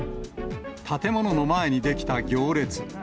建物の前に出来た行列。